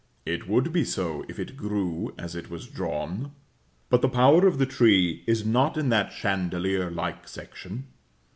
It would be so, if it grew as it is drawn. But the power of the tree is not in that chandelier like section.